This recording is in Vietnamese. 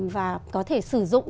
và có thể sử dụng